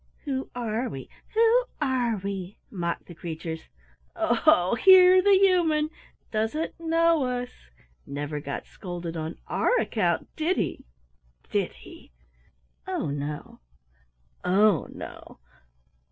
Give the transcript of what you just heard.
"Who are we? Who are we?" mocked the creatures. "O ho, hear the human! Doesn't know us never got scolded on our account, did he, did he? Oh, no; oh, no!